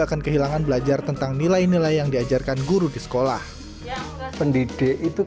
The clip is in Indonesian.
akan kehilangan belajar tentang nilai nilai yang diajarkan guru di sekolah pendidik itu